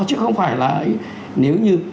chứ không phải là nếu như